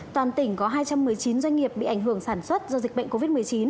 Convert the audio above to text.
toàn tỉnh có hai trăm một mươi chín doanh nghiệp bị ảnh hưởng sản xuất do dịch bệnh covid một mươi chín